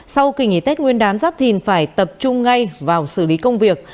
sau kỳ nghỉ tết nguyên đán giáp thìn phải tập trung ngay vào xử lý công việc